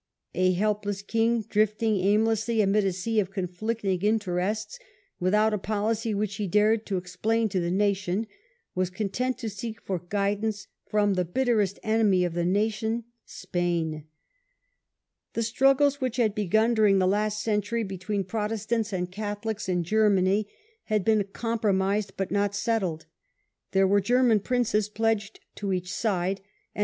A helpless king, drifting aim lessly amid a sea of conflicting interests, without a policy which he dared to explain to the nation, was content to seek for guidance from the bitterest enemy of the nation — Spain. The struggles which had begun during the last century between Protestants and Catholics in Germany had been compromised but not settled. There were The Thirty German princes pledged to each side, and Years' war.